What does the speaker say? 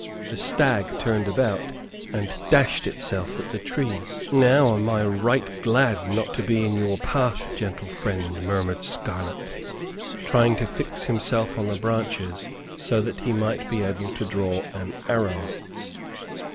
The stag turned about and dashed itself at the tree. "Now am I right glad not to be in your path, gentle friend," murmured Scarlett, trying to fix himself on the branches so that he might be able to draw an arrow.